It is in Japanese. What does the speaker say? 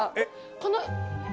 この。